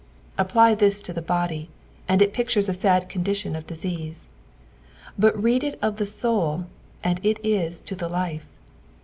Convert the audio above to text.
Apply this to the body, and it pictures a sad condition of disease ; but read it of the soul, and it is to the life.